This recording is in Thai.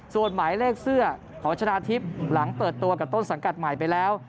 ส่วนหมายเลขเสื้อของชนะทิพย์หลังเปิดตัวกับต้นสังกัดใหม่ไปแล้ว